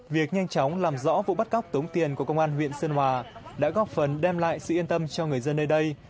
việc nhanh chóng làm rõ vụ bắt cóc tống tiền của công an huyện sơn hòa đã góp phần đem lại sự yên tâm cho người dân nơi đây